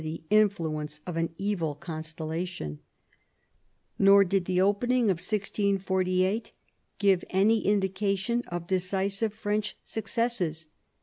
the influence of an evil constellation. Nor did the opening of 1648 give any indication of decisive French successes.